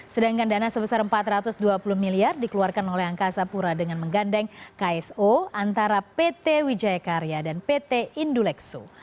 sedangkan dana sebesar empat ratus dua puluh miliar dikeluarkan oleh angkasa pura dengan menggandeng kso antara pt wijaya karya dan pt indulexo